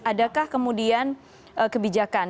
adakah kemudian kebijakan